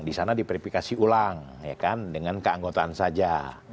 di sana diverifikasi ulang ya kan dengan keanggotaan saja